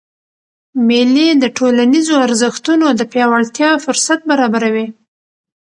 مېلې د ټولنیزو ارزښتونو د پیاوړتیا فُرصت برابروي.